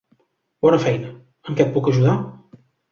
Bona feina. En què et puc ajudar?